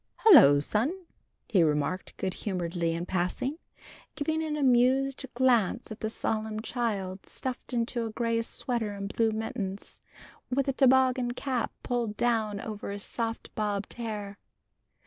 "Hullo, son!" he remarked good humoredly in passing, giving an amused glance at the solemn child stuffed into a gray sweater and blue mittens, with a toboggan cap pulled down over his soft bobbed hair.